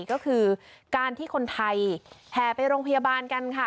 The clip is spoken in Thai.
ก็คือการที่คนไทยแห่ไปโรงพยาบาลกันค่ะ